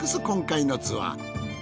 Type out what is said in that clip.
今回のツアー。